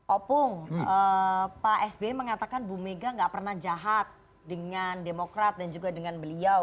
opung pak sby mengatakan bumega enggak pernah jahat dengan demokrat dan juga dengan bersih